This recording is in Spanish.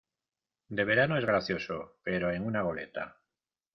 de verano es gracioso, pero en una goleta